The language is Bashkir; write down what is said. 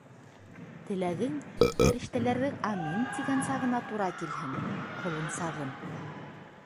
- Теләгең фәрештәләрҙең «Амин» тигән сағына тура килһен, ҡолонсағым!